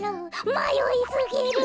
まよいすぎる。